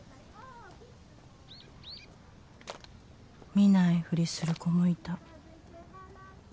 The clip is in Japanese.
「見ないふりする子もいた」